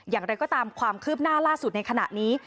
อย่างไรก็ตามความคืบหน้าล่าสุดในขณะนี้